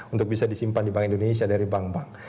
untuk bisa disimpan di bank indonesia dari bank bank